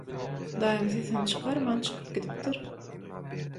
Daýym sesini çykarman çykyp gidipdir.